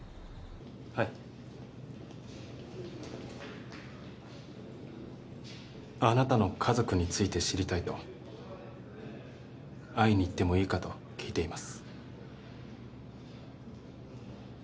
はいあなたの家族について知りたいと会いに行ってもいいかと聞いています